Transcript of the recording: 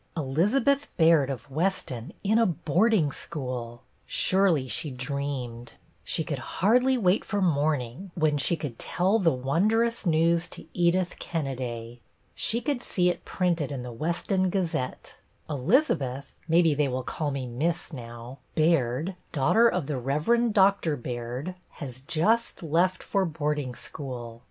Elizabeth Baird of Weston in a boarding school ! Surely she dreamed I She could hardly wait for morning, when she could THE SECRET 17 tell the wondrous news to Edith Kenneday. She could see it printed in the Weston Gazette: "Elizabeth (maybe they will call me Miss now) Baird, daughter of the Rev erend Doctor Baird, has just left for board ing school.